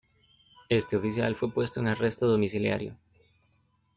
Este oficial fue puesto en arresto domiciliario.